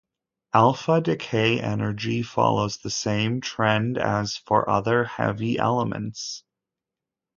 Alpha decay energy follows the same trend as for other heavy elements.